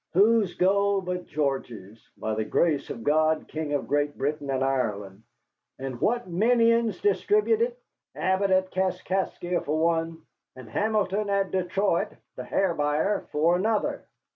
"Whose gold but George's, by the grace of God King of Great Britain and Ireland? And what minions distribute it? Abbott at Kaskaskia, for one, and Hamilton at Detroit, the Hair Buyer, for another!"